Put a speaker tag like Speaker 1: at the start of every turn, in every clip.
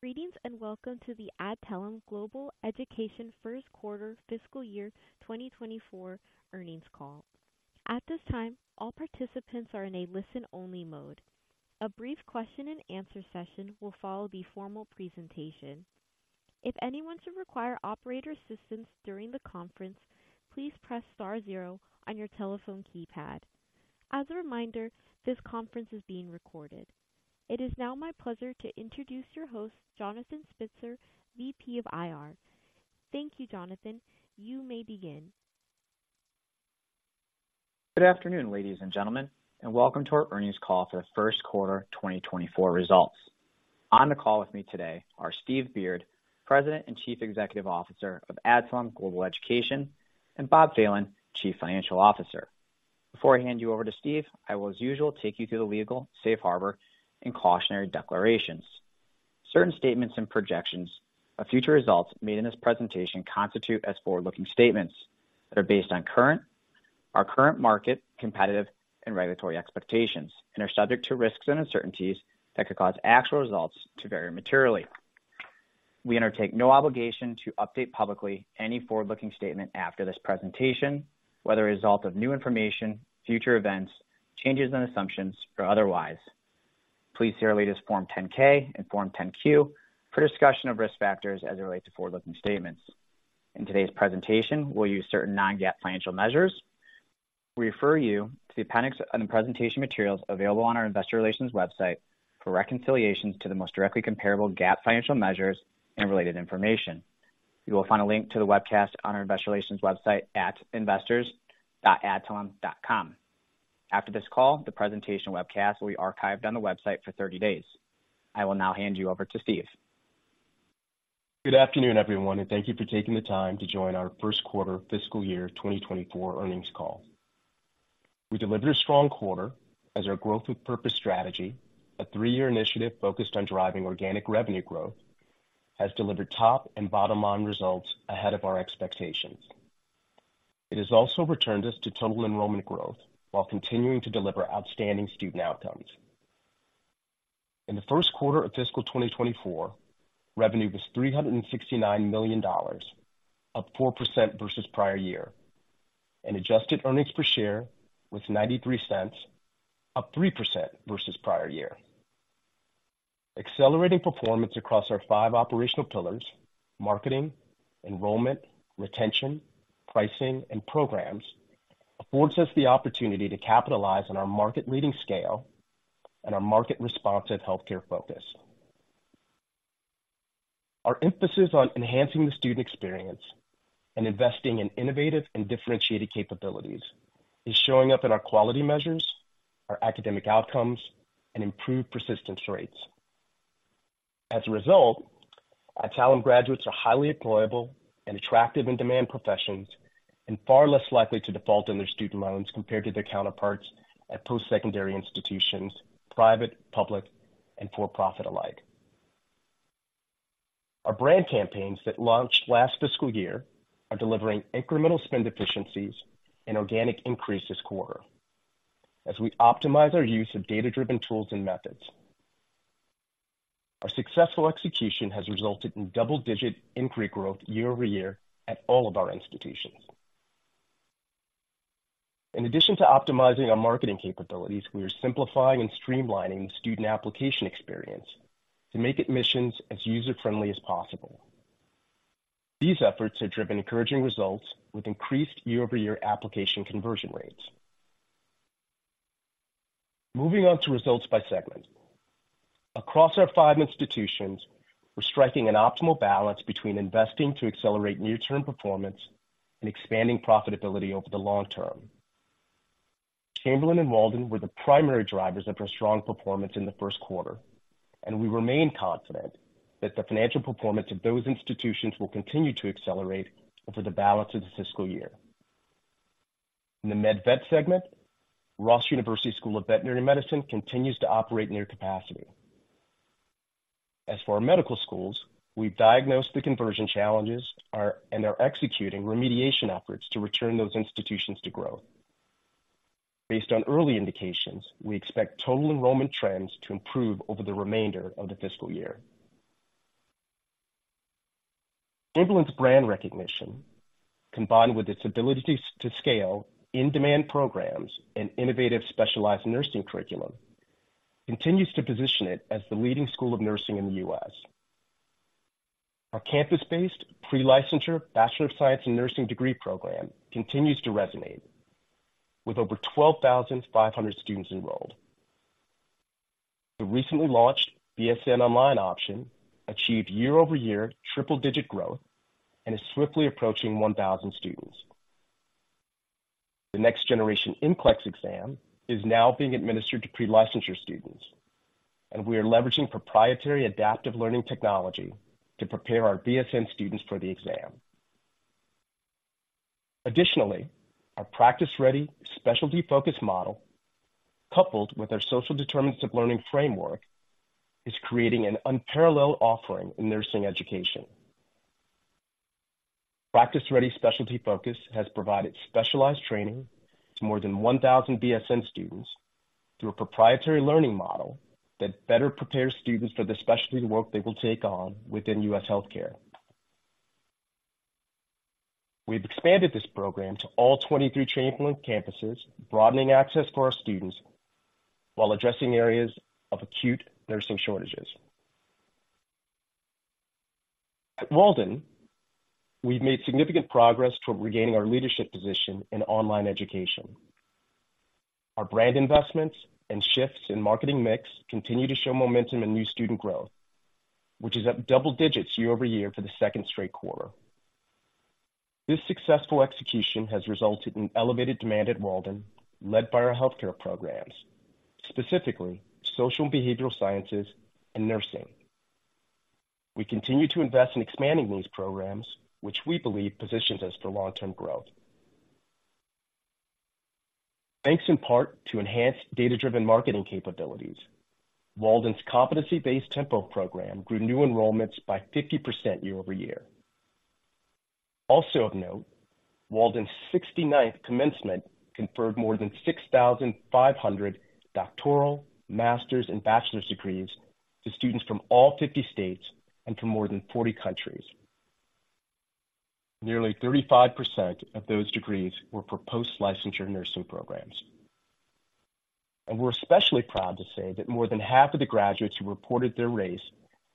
Speaker 1: Greetings, and welcome to the Adtalem Global Education first quarter fiscal year 2024 earnings call. At this time, all participants are in a listen-only mode. A brief question and answer session will follow the formal presentation. If anyone should require operator assistance during the conference, please press star zero on your telephone keypad. As a reminder, this conference is being recorded. It is now my pleasure to introduce your host, Jonathan Spitzer, VP of IR. Thank you, Jonathan. You may begin.
Speaker 2: Good afternoon, ladies and gentlemen, and welcome to our earnings call for the first quarter 2024 results. On the call with me today are Steve Beard, President and Chief Executive Officer of Adtalem Global Education, and Bob Phelan, Chief Financial Officer. Before I hand you over to Steve, I will, as usual, take you through the legal, safe harbor, and cautionary declarations. Certain statements and projections of future results made in this presentation constitute as forward-looking statements that are based on our current market, competitive and regulatory expectations and are subject to risks and uncertainties that could cause actual results to vary materially. We undertake no obligation to update publicly any forward-looking statement after this presentation, whether a result of new information, future events, changes in assumptions, or otherwise. Please see our latest Form 10-K and Form 10-Q for a discussion of risk factors as it relates to forward-looking statements. In today's presentation, we'll use certain non-GAAP financial measures. We refer you to the appendix on the presentation materials available on our investor relations website for reconciliations to the most directly comparable GAAP financial measures and related information. You will find a link to the webcast on our investor relations website at investors.adtalem.com. After this call, the presentation webcast will be archived on the website for 30 days. I will now hand you over to Steve.
Speaker 3: Good afternoon, everyone, and thank you for taking the time to join our first quarter fiscal year 2024 earnings call. We delivered a strong quarter as our Growth with Purpose strategy, a three-year initiative focused on driving organic revenue growth, has delivered top and bottom line results ahead of our expectations. It has also returned us to total enrollment growth while continuing to deliver outstanding student outcomes. In the first quarter of fiscal 2024, revenue was $369 million, up 4% versus prior year, and Adjusted Earnings Per Share was $0.93, up 3% versus prior year. Accelerating performance across our five operational pillars: marketing, enrollment, retention, pricing, and programs, affords us the opportunity to capitalize on our market-leading scale and our market-responsive healthcare focus. Our emphasis on enhancing the student experience and investing in innovative and differentiated capabilities is showing up in our quality measures, our academic outcomes, and improved persistence rates. As a result, Adtalem graduates are highly employable in attractive and demand professions and far less likely to default on their student loans compared to their counterparts at post-secondary institutions, private, public, and for-profit alike. Our brand campaigns that launched last fiscal year are delivering incremental spend efficiencies and organic increase this quarter as we optimize our use of data-driven tools and methods. Our successful execution has resulted in double-digit inquiry growth year-over-year at all of our institutions. In addition to optimizing our marketing capabilities, we are simplifying and streamlining the student application experience to make admissions as user-friendly as possible. These efforts have driven encouraging results with increased year-over-year application conversion rates. Moving on to results by segment. Across our five institutions, we're striking an optimal balance between investing to accelerate near-term performance and expanding profitability over the long term. Chamberlain and Walden were the primary drivers of our strong performance in the first quarter, and we remain confident that the financial performance of those institutions will continue to accelerate over the balance of the fiscal year. In the MedVet segment, Ross University School of Veterinary Medicine continues to operate near capacity. As for our medical schools, we've diagnosed the conversion challenges and are executing remediation efforts to return those institutions to growth. Based on early indications, we expect total enrollment trends to improve over the remainder of the fiscal year. Chamberlain's brand recognition, combined with its ability to scale in-demand programs and innovative specialized nursing curriculum, continues to position it as the leading school of nursing in the U.S. Our campus-based pre-licensure Bachelor of Science in Nursing degree program continues to resonate, with over 12,500 students enrolled. The recently launched BSN Online option achieved year-over-year triple-digit growth and is swiftly approaching 1,000 students. The Next Generation NCLEX exam is now being administered to pre-licensure students, and we are leveraging proprietary adaptive learning technology to prepare our BSN students for the exam. Additionally, our Practice Ready. Specialty Focused. model, coupled with our Social Determinants of Learning framework, is creating an unparalleled offering in nursing education. Practice Ready. Specialty Focused. has provided specialized training to more than 1,000 BSN students through a proprietary learning model that better prepares students for the specialty work they will take on within U.S. healthcare. We've expanded this program to all 23 Chamberlain campuses, broadening access for our students while addressing areas of acute nursing shortages. At Walden, we've made significant progress toward regaining our leadership position in online education. Our brand investments and shifts in marketing mix continue to show momentum in new student growth, which is up double digits year-over-year for the second straight quarter. This successful execution has resulted in elevated demand at Walden, led by our healthcare programs, specifically Social and Behavioral Sciences and nursing. We continue to invest in expanding these programs, which we believe positions us for long-term growth. Thanks in part to enhanced data-driven marketing capabilities, Walden's competency-based Tempo program grew new enrollments by 50% year-over-year. Also of note, Walden's 69th commencement conferred more than 6,500 doctoral, master's, and bachelor's degrees to students from all 50 states and from more than 40 countries. Nearly 35% of those degrees were for Post-Licensure nursing programs. We're especially proud to say that more than half of the graduates who reported their race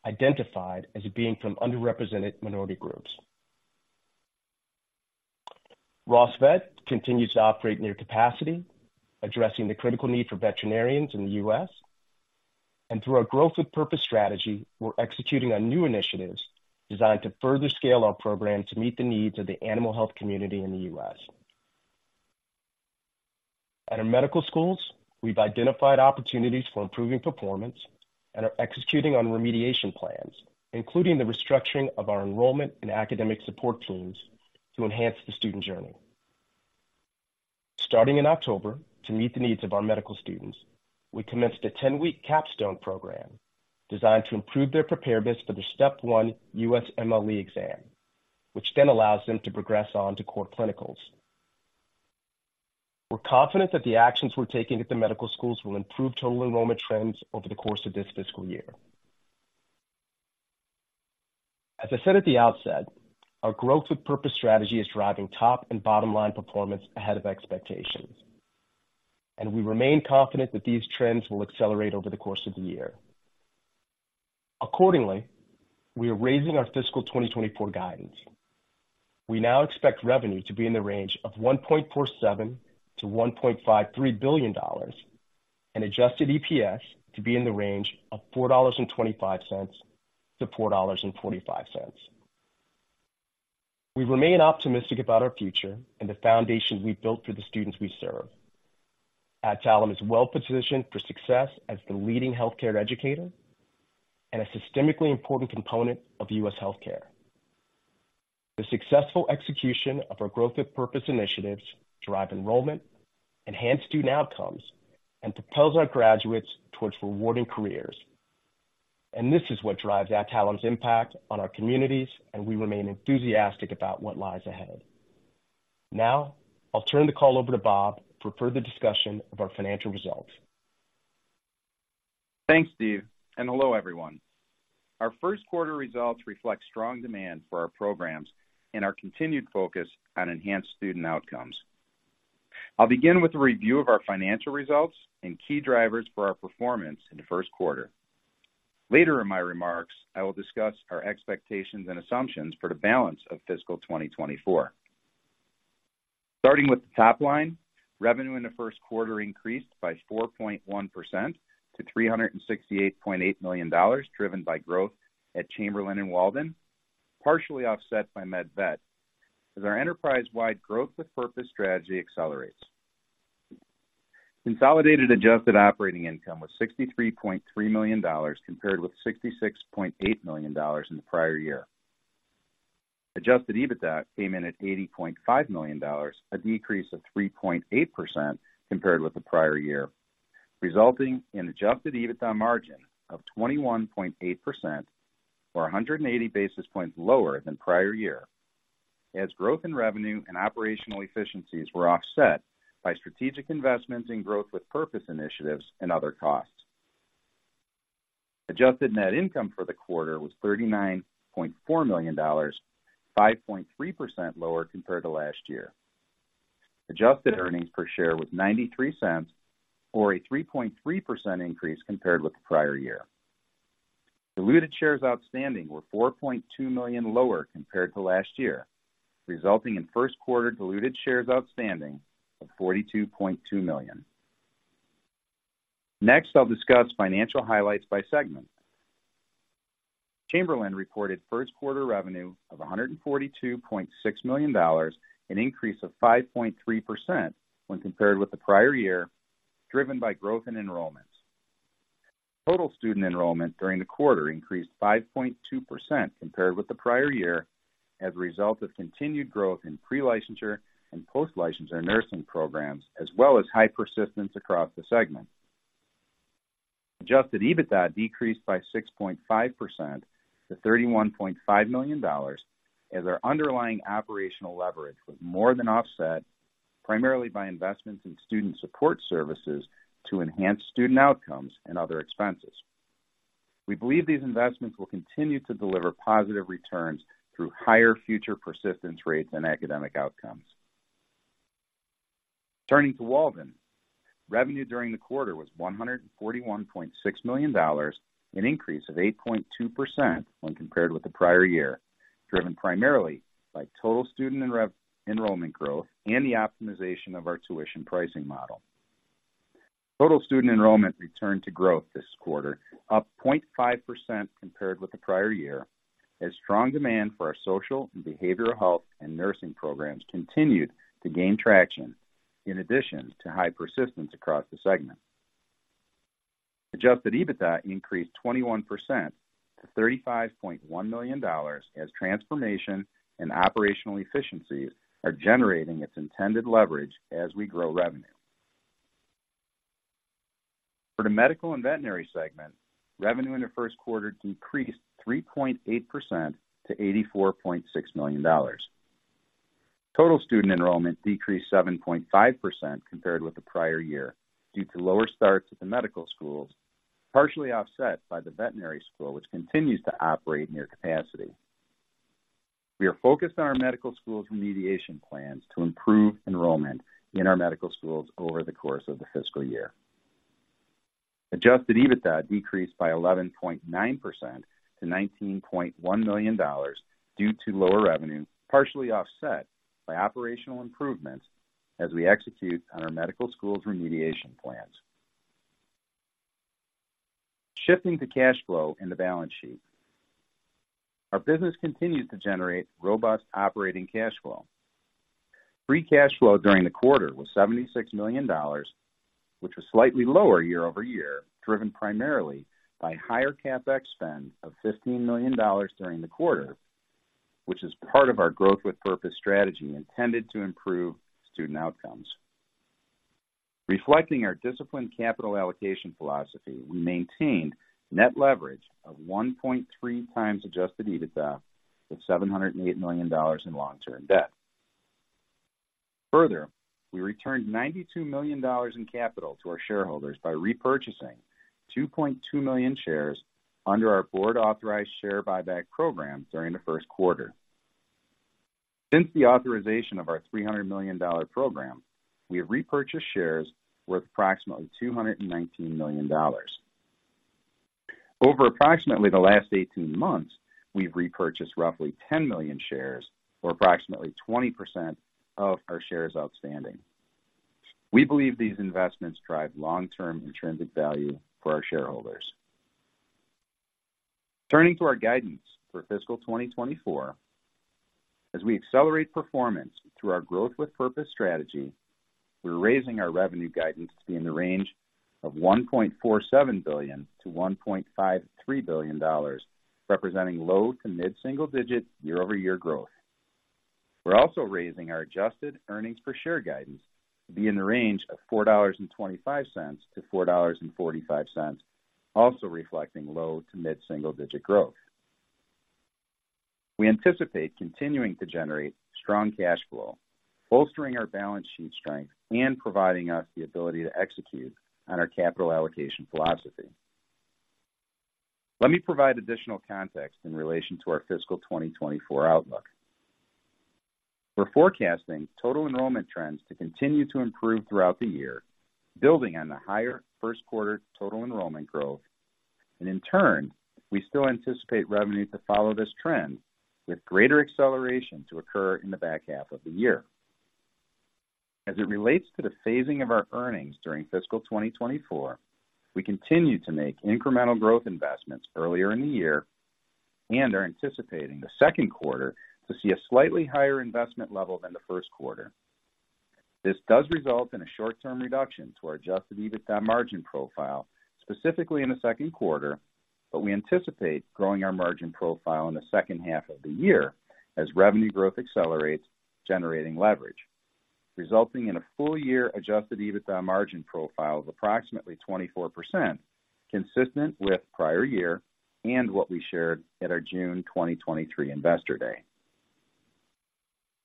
Speaker 3: identified as being from underrepresented minority groups. Ross Vet continues to operate near capacity, addressing the critical need for veterinarians in the U.S. Through our Growth with Purpose strategy, we're executing on new initiatives designed to further scale our program to meet the needs of the animal health community in the U.S. At our medical schools, we've identified opportunities for improving performance and are executing on remediation plans, including the restructuring of our enrollment and academic support teams to enhance the student journey. Starting in October, to meet the needs of our medical students, we commenced a 10-week Capstone Program designed to improve their preparedness for the Step 1 USMLE exam, which then allows them to progress on to core clinicals. We're confident that the actions we're taking at the medical schools will improve total enrollment trends over the course of this fiscal year. As I said at the outset, our Growth with Purpose strategy is driving top and bottom-line performance ahead of expectations, and we remain confident that these trends will accelerate over the course of the year. Accordingly, we are raising our fiscal 2024 guidance. We now expect revenue to be in the range of $1.47 billion-$1.53 billion and adjusted EPS to be in the range of $4.25-$4.45. We remain optimistic about our future and the foundation we've built for the students we serve. Adtalem is well positioned for success as the leading healthcare educator and a systemically important component of U.S. healthcare. The successful execution of our Growth with Purpose initiatives drive enrollment, enhance student outcomes, and propels our graduates towards rewarding careers. This is what drives Adtalem's impact on our communities, and we remain enthusiastic about what lies ahead. Now, I'll turn the call over to Bob for further discussion of our financial results.
Speaker 4: Thanks, Steve, and hello, everyone. Our first quarter results reflect strong demand for our programs and our continued focus on enhanced student outcomes. I'll begin with a review of our financial results and key drivers for our performance in the first quarter. Later in my remarks, I will discuss our expectations and assumptions for the balance of fiscal 2024. Starting with the top line, revenue in the first quarter increased by 4.1% to $368.8 million, driven by growth at Chamberlain and Walden, partially offset by MedVet, as our enterprise-wide Growth with Purpose strategy accelerates. Consolidated adjusted operating income was $63.3 million, compared with $66.8 million in the prior year. Adjusted EBITDA came in at $80.5 million, a decrease of 3.8% compared with the prior year, resulting in adjusted EBITDA margin of 21.8%, or 180 basis points lower than prior year, as growth in revenue and operational efficiencies were offset by strategic investments in Growth with Purpose initiatives and other costs. Adjusted net income for the quarter was $39.4 million, 5.3% lower compared to last year. Adjusted earnings per share was $0.93 or a 3.3% increase compared with the prior year. Diluted shares outstanding were 4.2 million lower compared to last year, resulting in first quarter diluted shares outstanding of 42.2 million. Next, I'll discuss financial highlights by segment. Chamberlain reported first quarter revenue of $142.6 million, an increase of 5.3% when compared with the prior year, driven by growth in enrollments. Total student enrollment during the quarter increased 5.2% compared with the prior year, as a result of continued growth in pre-licensure and post-licensure nursing programs, as well as high persistence across the segment. Adjusted EBITDA decreased by 6.5% to $31.5 million, as our underlying operational leverage was more than offset, primarily by investments in student support services to enhance student outcomes and other expenses. We believe these investments will continue to deliver positive returns through higher future persistence rates and academic outcomes. Turning to Walden. Revenue during the quarter was $141.6 million, an increase of 8.2% when compared with the prior year, driven primarily by total student enrollment growth and the optimization of our tuition pricing model. Total student enrollment returned to growth this quarter, up 0.5% compared with the prior year, as strong demand for our social and behavioral health and nursing programs continued to gain traction, in addition to high persistence across the segment. Adjusted EBITDA increased 21% to $35.1 million, as transformation and operational efficiencies are generating its intended leverage as we grow revenue. For the medical and veterinary segment, revenue in the first quarter decreased 3.8% to $84.6 million. Total student enrollment decreased 7.5% compared with the prior year, due to lower starts at the medical schools, partially offset by the veterinary school, which continues to operate near capacity. We are focused on our medical schools remediation plans to improve enrollment in our medical schools over the course of the fiscal year. Adjusted EBITDA decreased by 11.9% to $19.1 million due to lower revenue, partially offset by operational improvements as we execute on our medical schools remediation plans. Shifting to cash flow and the balance sheet. Our business continues to generate robust operating cash flow. Free Cash Flow during the quarter was $76 million, which was slightly lower year-over-year, driven primarily by higher CapEx spend of $15 million during the quarter, which is part of our Growth with Purpose strategy intended to improve student outcomes. Reflecting our disciplined capital allocation philosophy, we maintained net leverage of 1.3 times Adjusted EBITDA of $708 million in long-term debt. Further, we returned $92 million in capital to our shareholders by repurchasing 2.2 million shares under our board-authorized share buyback program during the first quarter. Since the authorization of our $300 million program, we have repurchased shares worth approximately $219 million. Over approximately the last 18 months, we've repurchased roughly 10 million shares, or approximately 20% of our shares outstanding. We believe these investments drive long-term intrinsic value for our shareholders. Turning to our guidance for fiscal 2024. As we accelerate performance through our Growth with Purpose strategy, we're raising our revenue guidance to be in the range of $1.47 billion-$1.53 billion, representing low to mid-single digit year-over-year growth. We're also raising our Adjusted Earnings Per Share guidance to be in the range of $4.25-$4.45, also reflecting low to mid-single digit growth. We anticipate continuing to generate strong cash flow, bolstering our balance sheet strength and providing us the ability to execute on our capital allocation philosophy. Let me provide additional context in relation to our Fiscal 2024 outlook. We're forecasting total enrollment trends to continue to improve throughout the year, building on the higher first quarter total enrollment growth, and in turn, we still anticipate revenue to follow this trend, with greater acceleration to occur in the back half of the year. As it relates to the phasing of our earnings during fiscal 2024, we continue to make incremental growth investments earlier in the year and are anticipating the second quarter to see a slightly higher investment level than the first quarter. This does result in a short-term reduction to our Adjusted EBITDA margin profile, specifically in the second quarter, but we anticipate growing our margin profile in the second half of the year as revenue growth accelerates, generating leverage, resulting in a full year Adjusted EBITDA margin profile of approximately 24%, consistent with prior year and what we shared at our June 2023 Investor Day.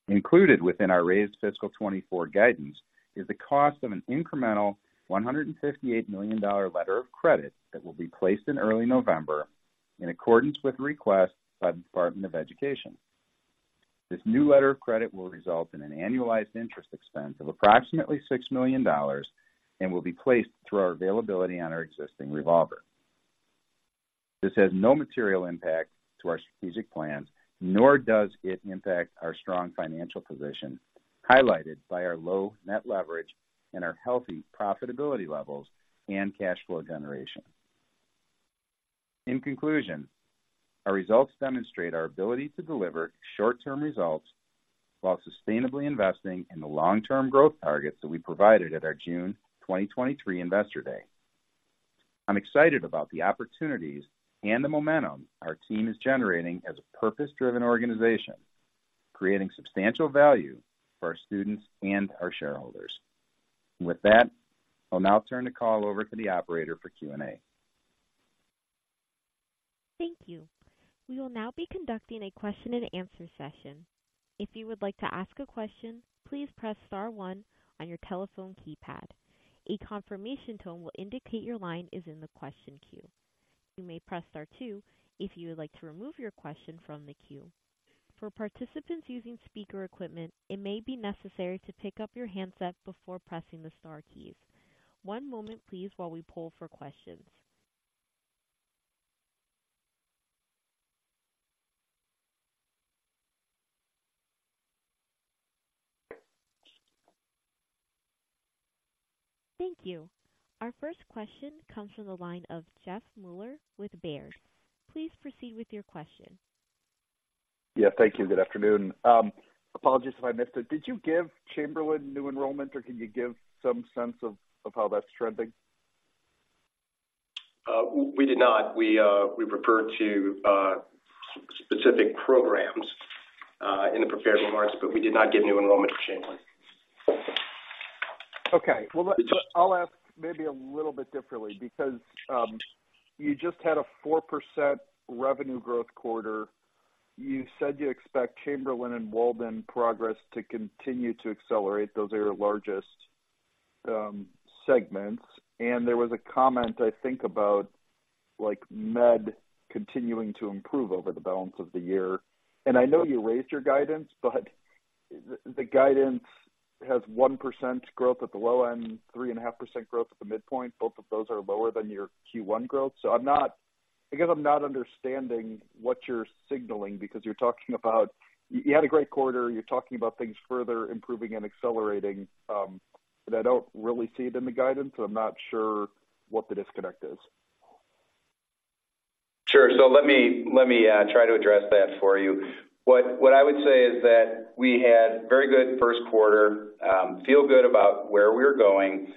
Speaker 4: Included within our raised fiscal 2024 guidance is the cost of an incremental $158 million letter of credit that will be placed in early November, in accordance with request by the Department of Education. This new letter of credit will result in an annualized interest expense of approximately $6 million and will be placed through our availability on our existing revolver. This has no material impact to our strategic plans, nor does it impact our strong financial position, highlighted by our low net leverage and our healthy profitability levels and cash flow generation. In conclusion, our results demonstrate our ability to deliver short-term results while sustainably investing in the long-term growth targets that we provided at our June 2023 Investor Day. I'm excited about the opportunities and the momentum our team is generating as a purpose-driven organization, creating substantial value for our students and our shareholders. With that, I'll now turn the call over to the operator for Q&A.
Speaker 1: Thank you. We will now be conducting a question-and-answer session. If you would like to ask a question, please press star one on your telephone keypad. A confirmation tone will indicate your line is in the question queue. You may press star two if you would like to remove your question from the queue. For participants using speaker equipment, it may be necessary to pick up your handset before pressing the star keys. One moment, please, while we poll for questions. Thank you. Our first question comes from the line of Jeff Meuler with Baird. Please proceed with your question.
Speaker 5: Yeah, thank you. Good afternoon. Apologies if I missed it. Did you give Chamberlain new enrollment, or can you give some sense of, of how that's trending?
Speaker 3: We did not. We referred to specific programs in the prepared remarks, but we did not give new enrollment to Chamberlain.
Speaker 5: Okay. Well, I'll ask maybe a little bit differently, because you just had a 4% revenue growth quarter. You said you expect Chamberlain and Walden progress to continue to accelerate. Those are your largest segments, and there was a comment, I think, about, like, med continuing to improve over the balance of the year. And I know you raised your guidance, but the guidance has 1% growth at the low end, 3.5% growth at the midpoint. Both of those are lower than your Q1 growth. So I'm not... I guess I'm not understanding what you're signaling, because you're talking about, you had a great quarter, you're talking about things further improving and accelerating, but I don't really see it in the guidance. I'm not sure what the disconnect is.
Speaker 3: Sure. So let me try to address that for you. What I would say is that we had very good first quarter, feel good about where we're going,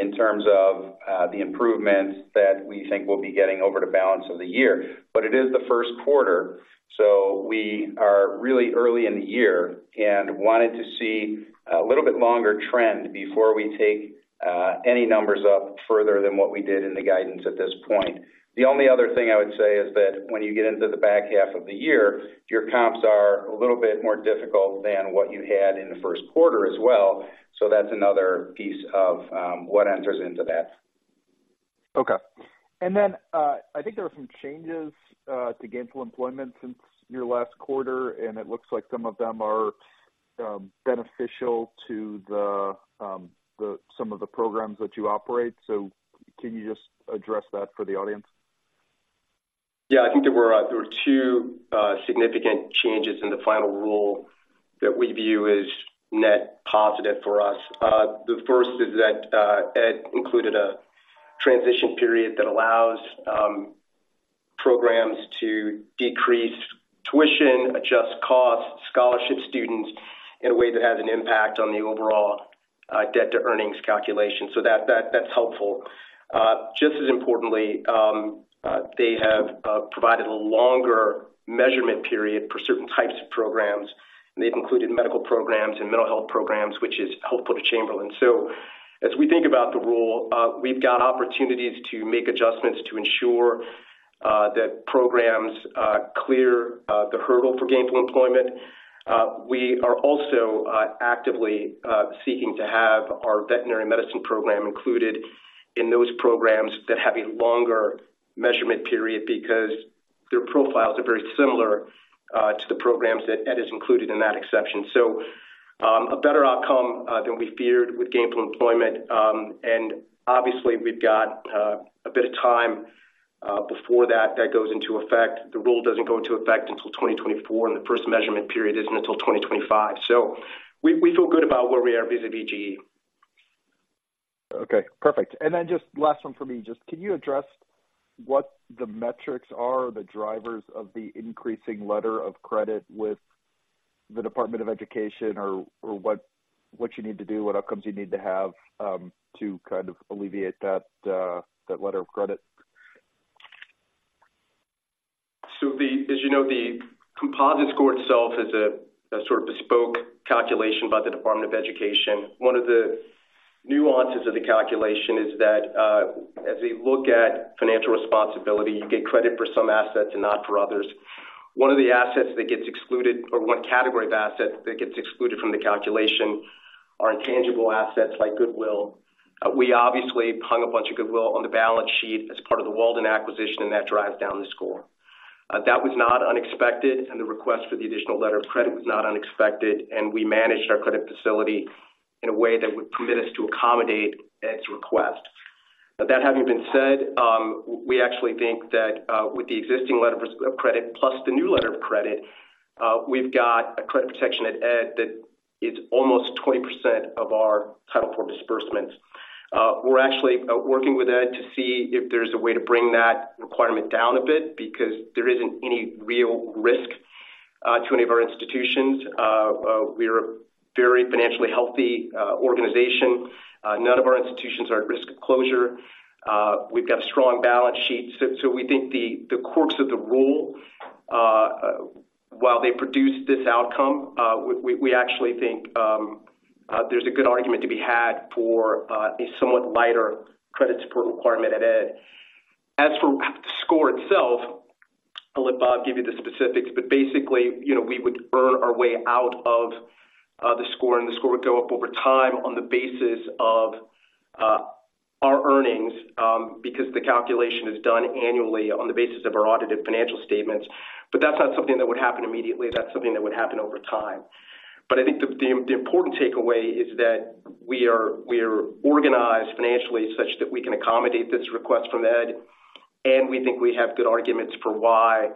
Speaker 3: in terms of the improvements that we think we'll be getting over the balance of the year. But it is the first quarter, so we are really early in the year and wanted to see a little bit longer trend before we take any numbers up further than what we did in the guidance at this point. The only other thing I would say is that when you get into the back half of the year, your comps are a little bit more difficult than what you had in the first quarter as well. So that's another piece of what enters into that.
Speaker 5: Okay. And then, I think there were some changes to Gainful Employment since your last quarter, and it looks like some of them are beneficial to some of the programs that you operate. So can you just address that for the audience?
Speaker 3: Yeah, I think there were two significant changes in the final rule that we view as net positive for us. The first is that it included a transition period that allows programs to decrease tuition, adjust costs, scholarship students, in a way that has an impact on the overall debt-to-earnings calculation. So that's helpful. Just as importantly, they have provided a longer measurement period for certain types of programs, and they've included medical programs and mental health programs, which is helpful to Chamberlain. So as we think about the rule, we've got opportunities to make adjustments to ensure that programs clear the hurdle for gainful employment. We are also actively seeking to have our veterinary medicine program included in those programs that have a longer measurement period, because their profiles are very similar to the programs that is included in that exception. So, a better outcome than we feared with Gainful Employment. And obviously, we've got a bit of time before that goes into effect. The rule doesn't go into effect until 2024, and the first measurement period isn't until 2025. So we feel good about where we are vis-à-vis GE.
Speaker 5: Okay, perfect. And then just last one for me. Just can you address what the metrics are, the drivers of the increasing letter of credit with the Department of Education, or what you need to do, what outcomes you need to have, to kind of alleviate that letter of credit?
Speaker 3: So, as you know, the composite score itself is a sort of bespoke calculation by the Department of Education. One of the nuances of the calculation is that, as they look at financial responsibility, you get credit for some assets and not for others. One of the assets that gets excluded, or one category of assets that gets excluded from the calculation, are intangible assets like goodwill. We obviously hung a bunch of goodwill on the balance sheet as part of the Walden acquisition, and that drives down the score. That was not unexpected, and the request for the additional letter of credit was not unexpected, and we managed our credit facility in a way that would permit us to accommodate Ed's request. But that having been said, we actually think that, with the existing letter of credit, plus the new letter of credit, we've got a credit protection at Ed that is almost 20% of our Title IV disbursements. We're actually working with Ed to see if there's a way to bring that requirement down a bit, because there isn't any real risk to any of our institutions. We are a very financially healthy organization. None of our institutions are at risk of closure. We've got strong balance sheets. So we think the quirks of the rule, while they produce this outcome, we actually think there's a good argument to be had for a somewhat lighter credit support requirement at Ed. As for the score itself, I'll let Bob give you the specifics, but basically, you know, we would earn our way out of the score, and the score would go up over time on the basis of our earnings, because the calculation is done annually on the basis of our audited financial statements. But that's not something that would happen immediately. That's something that would happen over time. But I think the important takeaway is that we're organized financially such that we can accommodate this request from Ed, and we think we have good arguments for why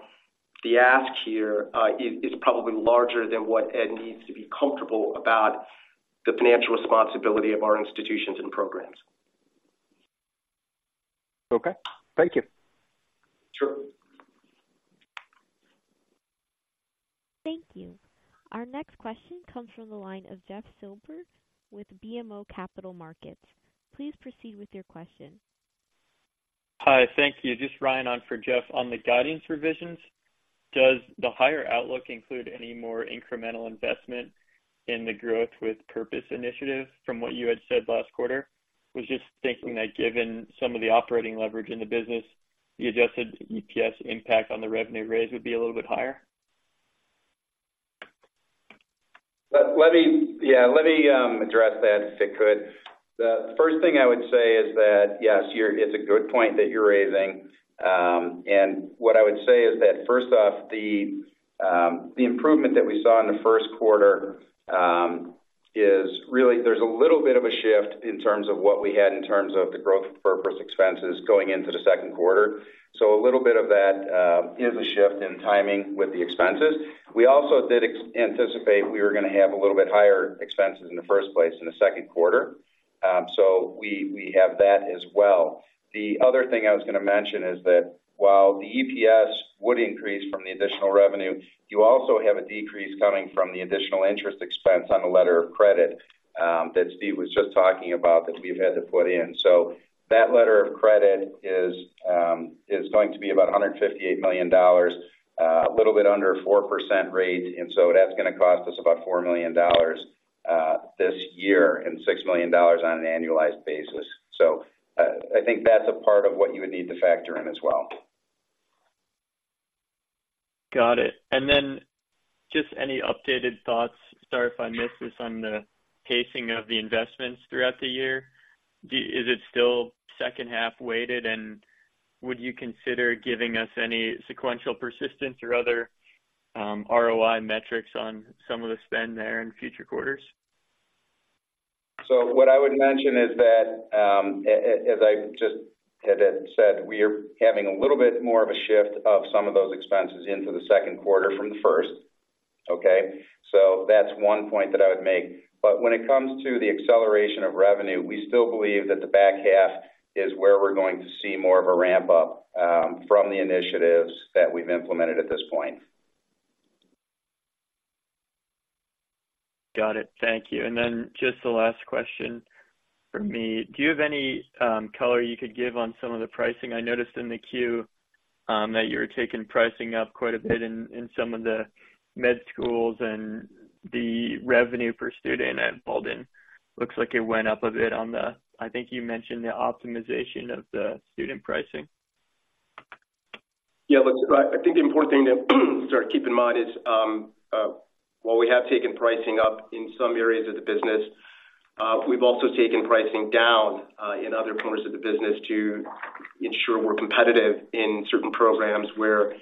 Speaker 3: the ask here is probably larger than what Ed needs to be comfortable about the financial responsibility of our institutions and programs.
Speaker 5: Okay. Thank you.
Speaker 3: Sure.
Speaker 1: Thank you. Our next question comes from the line of Jeff Silber with BMO Capital Markets. Please proceed with your question.
Speaker 6: Hi, thank you. Just Ryan on for Jeff. On the guidance revisions, does the higher outlook include any more incremental investment in the Growth with Purpose initiative from what you had said last quarter? Was just thinking that given some of the operating leverage in the business, the adjusted EPS impact on the revenue raise would be a little bit higher.
Speaker 4: Yeah, let me address that, if I could. The first thing I would say is that, yes, you're, it's a good point that you're raising. And what I would say is that, first off, the improvement that we saw in the first quarter is really there's a little bit of a shift in terms of what we had in terms of the Growth with Purpose expenses going into the second quarter. So a little bit of that is a shift in timing with the expenses. We also did anticipate we were gonna have a little bit higher expenses in the first place in the second quarter. So we have that as well. The other thing I was gonna mention is that while the EPS would increase from the additional revenue, you also have a decrease coming from the additional interest expense on the letter of credit, that Steve was just talking about, that we've had to put in. So that letter of credit is, is going to be about $158 million, a little bit under 4% rate, and so that's gonna cost us about $4 million, this year, and $6 million on an annualized basis. So, I think that's a part of what you would need to factor in as well.
Speaker 6: Got it. And then just any updated thoughts, sorry if I missed this, on the pacing of the investments throughout the year. Is it still second half weighted, and would you consider giving us any sequential persistence or other ROI metrics on some of the spend there in future quarters?
Speaker 4: So what I would mention is that, as I just had said, we are having a little bit more of a shift of some of those expenses into the second quarter from the first, okay? So that's one point that I would make. But when it comes to the acceleration of revenue, we still believe that the back half is where we're going to see more of a ramp up, from the initiatives that we've implemented at this point.
Speaker 6: Got it. Thank you. And then just the last question from me. Do you have any color you could give on some of the pricing? I noticed in the Q that you were taking pricing up quite a bit in some of the med schools and the revenue per student at Walden. Looks like it went up a bit on the... I think you mentioned the optimization of the student pricing.
Speaker 3: Yeah, look, I think the important thing to, sorry, keep in mind is, while we have taken pricing up in some areas of the business, we've also taken pricing down in other corners of the business to ensure we're competitive in certain programs where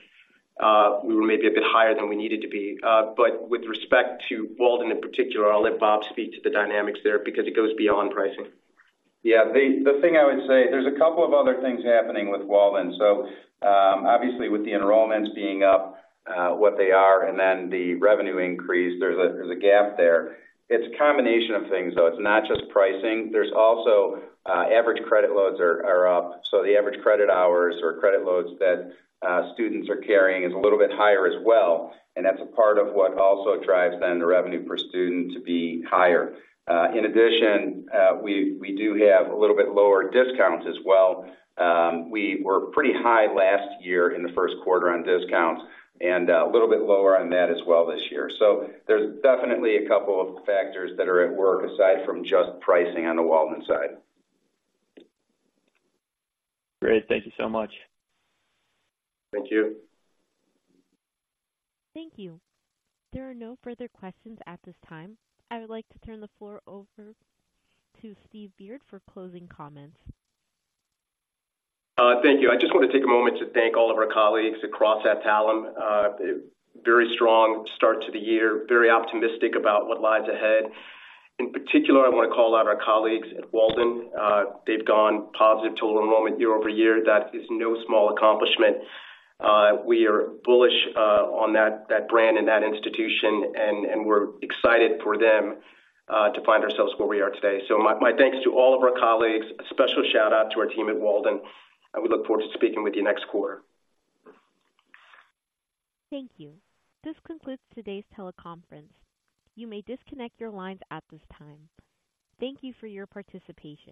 Speaker 3: we were maybe a bit higher than we needed to be. But with respect to Walden in particular, I'll let Bob speak to the dynamics there because it goes beyond pricing.
Speaker 4: Yeah, the thing I would say, there's a couple of other things happening with Walden. So, obviously, with the enrollments being up, what they are and then the revenue increase, there's a gap there. It's a combination of things, though. It's not just pricing. There's also, average credit loads are up, so the average credit hours or credit loads that students are carrying is a little bit higher as well, and that's a part of what also drives then the revenue per student to be higher. In addition, we do have a little bit lower discounts as well. We were pretty high last year in the first quarter on discounts and, a little bit lower on that as well this year. There's definitely a couple of factors that are at work aside from just pricing on the Walden side.
Speaker 6: Great. Thank you so much.
Speaker 4: Thank you.
Speaker 1: Thank you. There are no further questions at this time. I would like to turn the floor over to Steve Beard for closing comments.
Speaker 3: Thank you. I just want to take a moment to thank all of our colleagues across Adtalem. Very strong start to the year, very optimistic about what lies ahead. In particular, I want to call out our colleagues at Walden. They've gone positive total enrollment year-over-year. That is no small accomplishment. We are bullish on that brand and that institution, and we're excited for them to find ourselves where we are today. So my thanks to all of our colleagues, a special shout-out to our team at Walden, and we look forward to speaking with you next quarter.
Speaker 1: Thank you. This concludes today's teleconference. You may disconnect your lines at this time. Thank you for your participation.